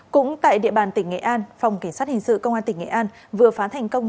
cũng tại địa bàn tỉnh nghệ an phòng cảnh sát hình sự công an tỉnh nghệ an vừa phá thành công